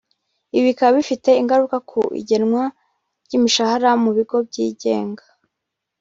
Ibi bikaba bifite ingaruka ku igenwa ry’imishahara mu bigo byigenga